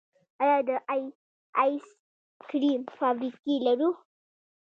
آیا د آیس کریم فابریکې لرو؟